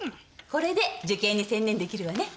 これで受験に専念できるわね。